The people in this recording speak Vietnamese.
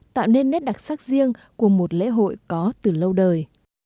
tạo nên nét đặc sắc riêng của một lễ hội có từ lâu đời